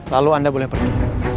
lalu anda boleh pergi